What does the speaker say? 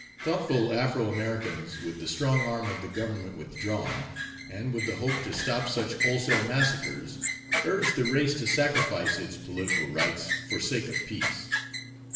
Thoughtful Afro Americans with the strong arm of the government withdrawn and with the hope to stop such wholesale massacres urged the race to sacrifice its political rights for sake of peace.